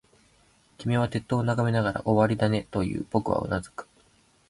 君は鉄塔を眺めながら、終わりだね、と言う。僕はうなずく。